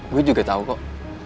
gue juga tau kok